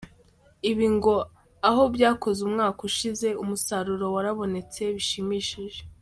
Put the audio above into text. Ibi ngo aho byakozwe umwaka ushize, umusaruro warabonetse bishimishije.